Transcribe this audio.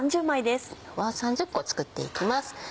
３０個作って行きます。